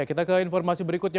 kita ke informasi berikutnya